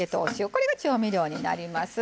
これが調味料になります。